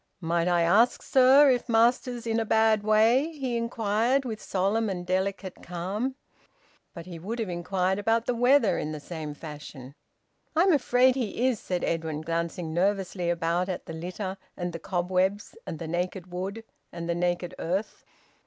"Might I ask, sir, if Master's in a bad way?" he inquired, with solemn and delicate calm. But he would have inquired about the weather in the same fashion. "I'm afraid he is," said Edwin, glancing nervously about at the litter, and the cobwebs, and the naked wood, and the naked earth.